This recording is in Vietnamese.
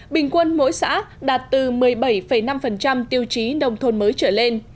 bình quân mỗi xã đạt từ một mươi bảy năm tiêu chí nông thôn mới trở lên